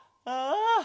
ああ。